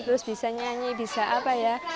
terus bisa nyanyi bisa apa ya